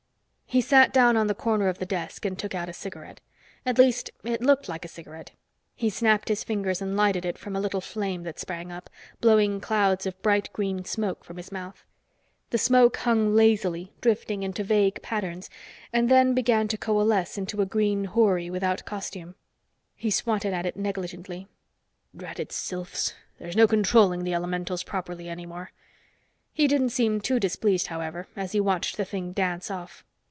He sat down on the corner of the desk and took out a cigarette. At least it looked like a cigarette. He snapped his fingers and lighted it from a little flame that sprang up, blowing clouds of bright green smoke from his mouth. The smoke hung lazily, drifting into vague patterns and then began to coalesce into a green houri without costume. He swatted at it negligently. "Dratted sylphs. There's no controlling the elementals properly any more." He didn't seem too displeased, however, as he watched the thing dance off.